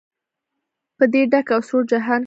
په دې ډک او سوړ جهان کې.